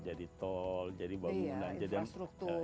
iya jadi tol jadi bangunan jadi infrastruktur